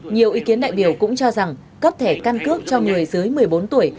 nhiều ý kiến đại biểu cũng cho rằng cấp thẻ căn cước cho người dưới một mươi bốn tuổi